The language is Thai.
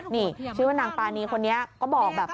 นี่ชื่อว่านางปานีคนนี้ก็บอกแบบ